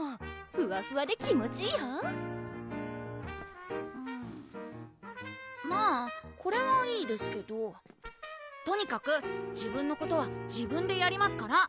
ふわふわで気持ちいいよまぁこれはいいですけどとにかく自分のことは自分でやりますから！